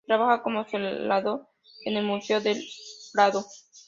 Trabaja como celador en el Museo del Prado.